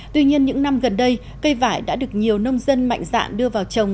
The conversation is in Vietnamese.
tuy nhiên những năm gần đây cây vải đã được nhiều nông dân mạnh dạn đưa vào trồng